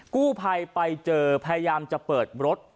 กู้ภัยไปเจอพยายามจะเปิดรถ